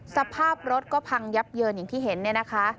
สภาพรถก็พังยับเยินอย่างที่เห็น